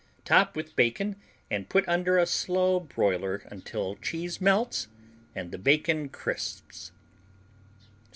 Top with bacon and put under a slow broiler until cheese melts and the bacon crisps.